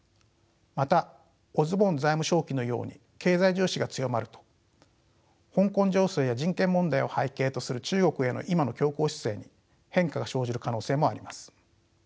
またオズボーン財務相期のように経済重視が強まると香港情勢や人権問題を背景とする中国への今の強硬姿勢に変化が生じる可能性もあります。